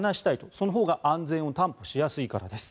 そのほうが安全を担保しやすいからです。